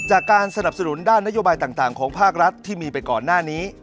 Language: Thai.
จากการสนับสนุนด้านนโยบายต่างของภาครัฐที่มีไปก่อนหน้านี้